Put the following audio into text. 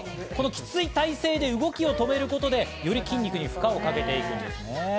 きつい体勢で動きを止めることで、より筋肉に負荷をかけていくんですね。